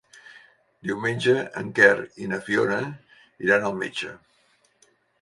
Diumenge en Quer i na Fiona iran al metge.